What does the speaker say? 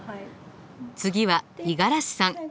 次は五十嵐さん。